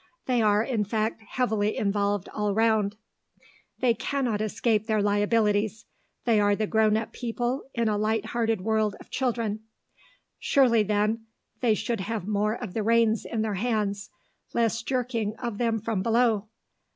They are, in fact, heavily involved, all round; they cannot escape their liabilities; they are the grown up people in a light hearted world of children. Surely, then, they should have more of the reins in their hands, less jerking of them from below....